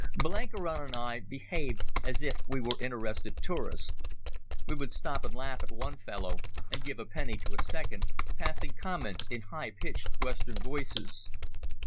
Blenkiron and I behaved as if we were interested tourists. We would stop and laugh at one fellow and give a penny to a second, passing comments in high pitched Western voices.